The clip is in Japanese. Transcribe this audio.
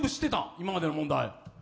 今までの問題。